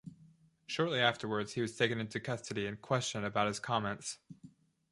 Shortly afterwards he was taken into custody and questioned about his comments.